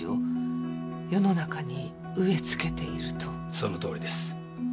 そのとおりです。